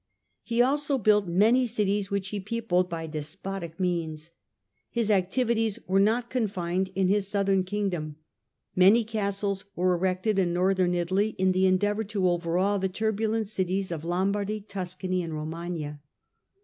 He also built many cities, which he peopled by despotic means. His activities were not confined to his Southern Kingdom : many castles were erected in Northern Italy, in the endeavour to overawe the turbulent cities of Lombardy, Tuscany and Romagna.